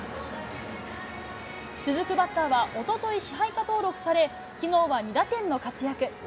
続くバッターは、おととい、支配下登録され、きのうは２打点の活躍。